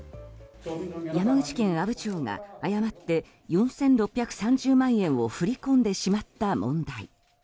山口県阿武町が誤って４６３０万円を振り込んでしまった問題。